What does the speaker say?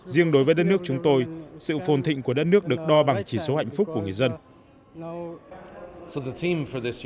riêng đối với đất nước chúng tôi sự phồn thịnh của đất nước được đo bằng chỉ số hạnh phúc của người dân